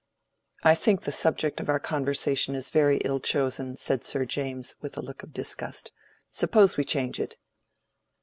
"I think the subject of our conversation is very ill chosen," said Sir James, with a look of disgust. "Suppose we change it."